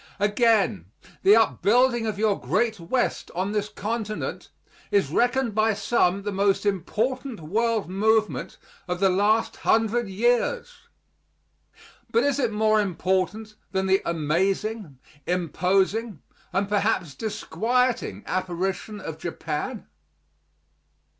Again, the upbuilding of your great West on this continent is reckoned by some the most important world movement of the last hundred years. But is it more important than the amazing, imposing and perhaps disquieting apparition of Japan?